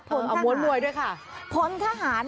เอาม้วนมวยด้วยค่ะ